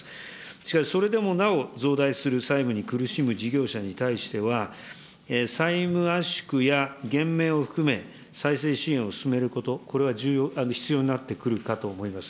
しかしそれでもなお、増大する債務に苦しむ事業者に対しては、債務圧縮や、減免を含め、再生支援を進めること、これは重要、必要になってくるかと思います。